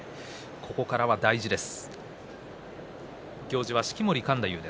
ここからが大事です。